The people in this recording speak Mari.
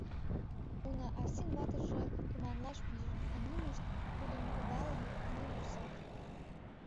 Уна, Арсин ватыже туманлаш пижын, а нинышт, тудым пыдалын, мыйым вурсат.